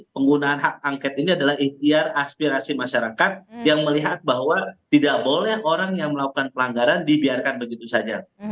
penggunaan hak angket ini adalah ikhtiar aspirasi masyarakat yang melihat bahwa tidak boleh orang yang melakukan pelanggaran dibiarkan begitu saja